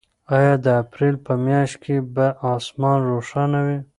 آیا د اپریل په میاشت کې به اسمان روښانه وي؟